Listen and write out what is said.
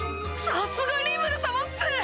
さすがリムル様っす！